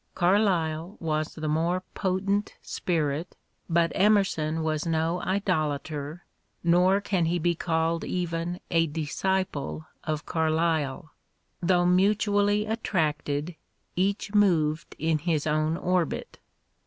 Carlyle was the more potent spirit, but Emerson was no idolator, nor can he be called even a disciple of Carlyle : though mutually attracted, each moved in his own orbit.